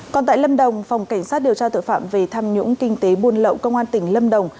còn tại lâm đồng phòng cảnh sát điều tra tội phạm về tham nhũng kinh tế buôn lậu công an tỉnh lâm đồng